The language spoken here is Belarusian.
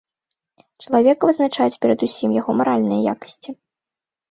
Чалавека вызначаюць перадусім яго маральныя якасці.